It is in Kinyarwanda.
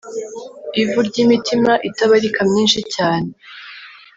Ivu ryimitima itabarika myinshi cyane